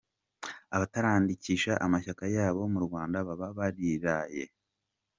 Abatarandikisha amashyaka yabo mu Rwanda baba bariraye !